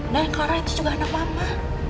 dan clara itu juga anak mama